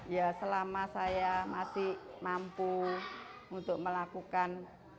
ya selama saya masih mampu untuk melakukan